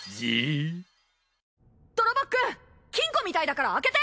泥ボックン金庫みたいだから開けて。